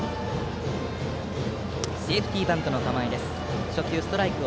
セーフティーバントの構え。